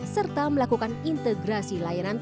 serta melakukan integrasi